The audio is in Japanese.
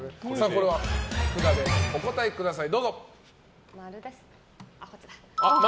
これは札でお答えください。